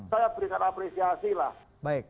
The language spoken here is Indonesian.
saya berikan apresiasi